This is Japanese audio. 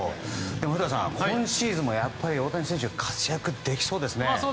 でも古田さん、今シーズンも大谷選手は活躍できそうですね。